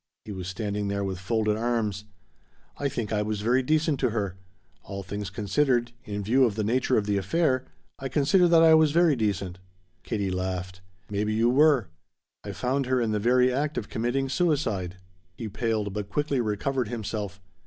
He was standing there with folded arms. "I think I was very decent to her. All things considered in view of the nature of the affair I consider that I was very decent." Katie laughed. "Maybe you were. I found her in the very act of committing suicide." He paled, but quickly recovered himself.